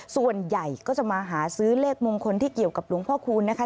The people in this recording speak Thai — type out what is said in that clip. ส่วนใหญ่ก็จะมาหาซื้อเลขมงคลที่เกี่ยวกับหลวงพ่อคูณนะคะ